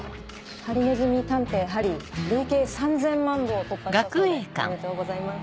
『ハリネズミ探偵・ハリー』累計３０００万部を突破したそうでおめでとうございます。